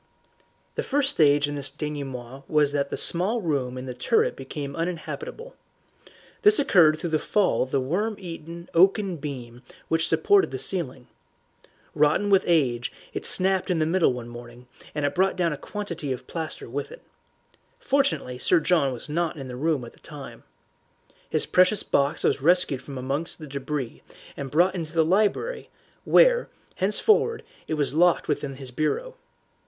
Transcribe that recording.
The first stage in this denouement was that the small room in the turret became uninhabitable. This occurred through the fall of the worm eaten oaken beam which supported the ceiling. Rotten with age, it snapped in the middle one morning, and brought down a quantity of plaster with it. Fortunately Sir John was not in the room at the time. His precious box was rescued from amongst the debris and brought into the library, where, henceforward, it was locked within his bureau.